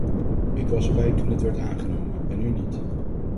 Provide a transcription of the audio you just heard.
Ik was erbij toen het werd aangenomen, en u niet.